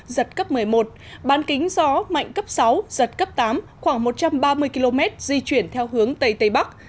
giật cấp một mươi một bán kính gió mạnh cấp sáu giật cấp tám khoảng một trăm ba mươi km di chuyển theo hướng tây tây bắc